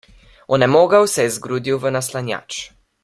Onemogel se je zgrudil v naslanjač.